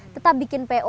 tetap bikin po